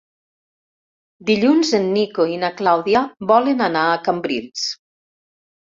Dilluns en Nico i na Clàudia volen anar a Cambrils.